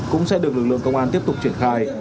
cũng sẽ được lực lượng công an tiếp tục triển khai